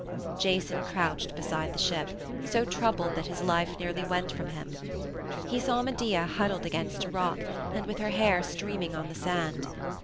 Jason crouched beside the ship, so troubled that his life nearly went from him. He saw Medea huddled against a rock and with her hair streaming on the sand.